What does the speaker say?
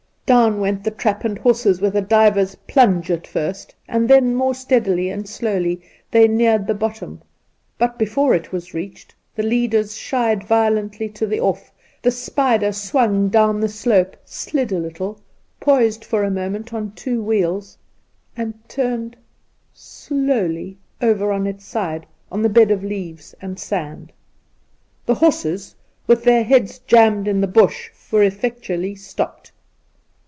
Down went the trap and horses with a diver's plunge at first, and then more steadily and slowly they neared the bottom ; but before it was reached, the leaders shied violently to the off, the spider swung down the slope, slid, a little, poised for a moment on two wheels, and turned slowly over on its side on the bed of leaves and sand. The horses, with their heads jammed in the bush, were effectually stopped.